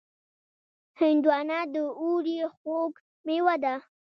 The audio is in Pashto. هندوانه د اوړي خوږ مېوه ده.